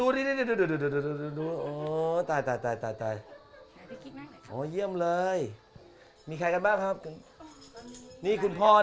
อุ้ยนี่